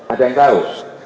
ada yang tahu